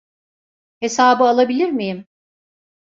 Hesabı alabilir miyim?